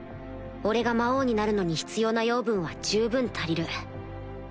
俺が魔王になるのに必要なヨウブンは十分足りる